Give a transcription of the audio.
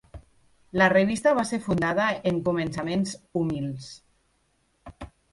La revista va ser fundada en començaments humils.